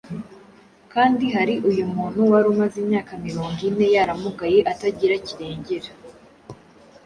Kandi hari uyu muntu wari umaze imyaka mirongo ine yaramugaye atagira kirengera,